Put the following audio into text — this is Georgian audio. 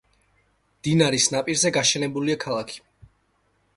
მდინარის ნაპირზე გაშენებულია ქალაქები.